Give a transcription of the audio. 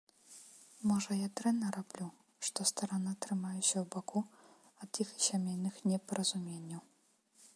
Можа, я дрэнна раблю, што старанна трымаюся ў баку ад іхніх сямейных непаразуменняў?